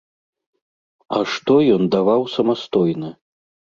А што ён дадаваў самастойна?